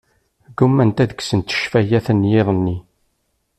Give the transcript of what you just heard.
Ggumant ad kksent ccfayat n yiḍ-nni.